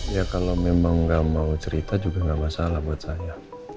ya kalau memang nggak mau cerita juga nggak masalah buat saya